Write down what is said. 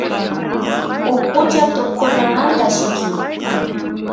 ukucha tukuymamanta llikin